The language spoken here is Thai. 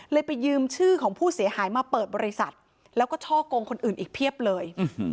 ไปยืมชื่อของผู้เสียหายมาเปิดบริษัทแล้วก็ช่อกงคนอื่นอีกเพียบเลย